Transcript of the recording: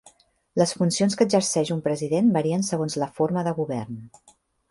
Les funcions que exerceix un president varien segons la forma de govern.